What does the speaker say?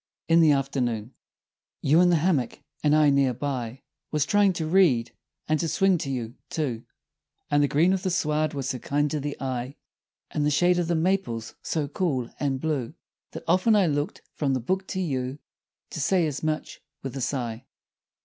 "] In the Afternoon You in the hammock; and I, near by, Was trying to read, and to swing you, too; And the green of the sward was so kind to the eye, And the shade of the maples so cool and blue, That often I looked from the book to you To say as much, with a sigh.